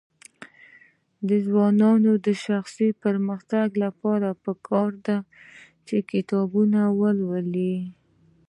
د ځوانانو د شخصي پرمختګ لپاره پکار ده چې کتابونه ولولي.